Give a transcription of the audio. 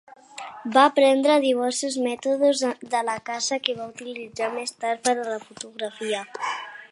Va aprendre diversos mètodes de la caça que va utilitzar més tard per a la fotografia.